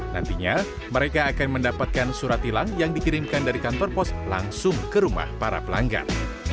nantinya mereka akan mendapatkan surat tilang yang dikirimkan dari kantor pos langsung ke rumah para pelanggar